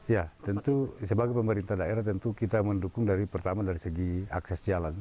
ya tentu sebagai pemerintah daerah tentu kita mendukung dari pertama dari segi akses jalan